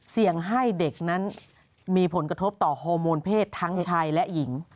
เสี่ยงให้เด็กนั้นมีผลกระทบต่อฮอร์โมนเพศทั้งชายและหญิง